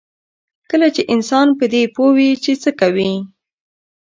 کله چې انسان په دې پوه وي چې څه کوي.